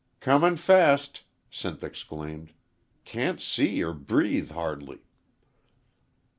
"Comin' fast!" Sinth exclaimed. "Can't see or breathe hardly."